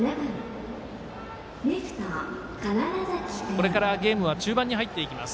これからゲームは中盤に入っていきます。